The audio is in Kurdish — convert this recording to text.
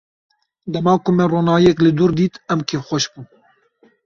Dema ku me ronahiyek li dûr dît, em kêfxweş bûn.